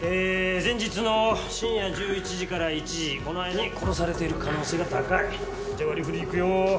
前日の深夜１１時から１時この間に殺されている可能性が高いじゃ割りふりいくよ